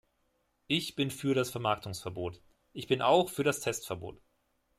Ich bin für das Vermarktungsverbot. Ich bin auch für das Testverbot.